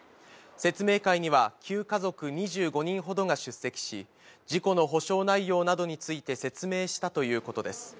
説明会には、９家族２５人ほどが出席し、事故の補償内容などについて説明したということです。